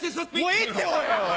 もういいっておい！